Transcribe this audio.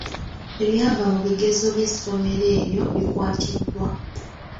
Ebyava mu bigezo by'essomero eryo bikwatiddwa.